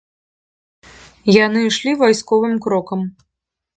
Яны ішлі вайсковым крокам.